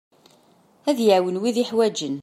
Ad iɛawen wid yeḥwaǧen.